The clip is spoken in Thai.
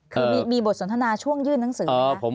คือมีบทสนทนาช่วงยื่นหนังสือไหมคะ